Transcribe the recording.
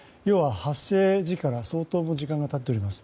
発生時から相当の時間が経っております。